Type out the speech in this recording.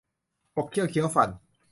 ขบเขี้ยวเคี้ยวฟัน